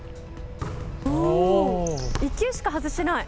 １球しか外してない。